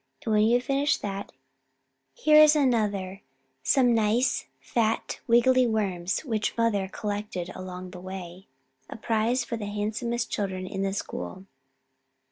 And when you have finished that, here is another, some nice, fat, wiggly worms which mother collected on the way, a prize for the handsomest children in the school."